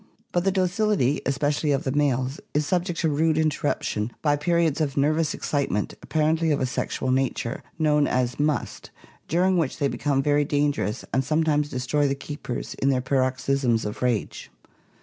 But the docility, especially of the males, is subject to rude in terruption by periods of nervous excitement, apparently of a sexual nature, known as "must," during which they become very danger ous and sometimes destroy the keepers in their paroxysms of rage.